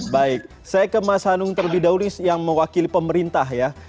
baik saya ke mas hanung terlebih dahulu yang mewakili pemerintah ya